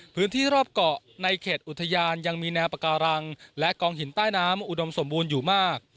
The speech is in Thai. พื้นที่รอบเกาะในเขตอุทยานยังมีแนวปาการังและกองหินใต้น้ำอุดมสมบูรณ์อยู่มาก